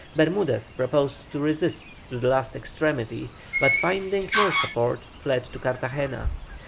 Bermudez proposed to resist to the last extremity, but finding no support fled to Cartagena.